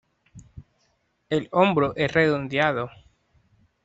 El hombro es redondeado.